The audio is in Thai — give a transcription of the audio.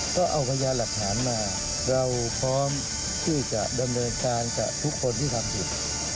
ก็เอาพยานหลักฐานมาเราพร้อมที่จะดำเนินการกับทุกคนที่ทำผิด